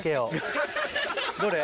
どれ？